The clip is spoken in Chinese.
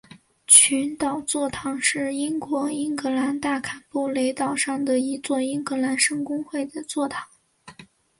群岛座堂是英国苏格兰大坎布雷岛上的一座苏格兰圣公会的座堂。